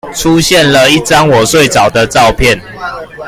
出現了一張我睡著的照片